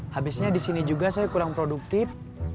habisnya disini juga saya kurang produktif